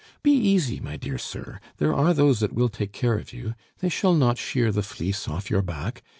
Be easy, my dear sir, there are those that will take care of you. They shall not shear the fleece off your back.